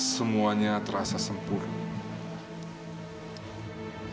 semuanya terasa sempurna